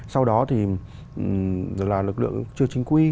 sau đó thì là lực lượng chưa chính quy